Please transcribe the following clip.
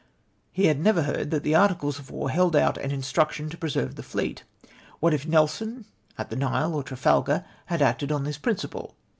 He had never heard that the articles of war held out an instruction to preserve the fleet. What if Nelson, at the Nile or Trafalgar, had acted on this prmciple?